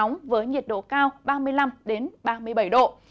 nóng với nhiệt độ cao ba mươi năm ba mươi bảy độ